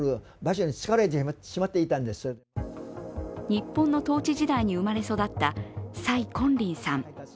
日本の統治時代に生まれ育った蔡焜霖さん。